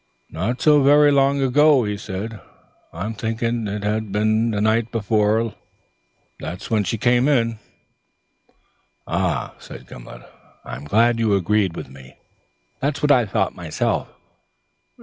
"No sae vary long ago," he said, "I'm thinkin' it will hae been the nicht before lairst that she came here." "Ah," said Gimblet, "I'm glad you agree with me. That's what I thought myself.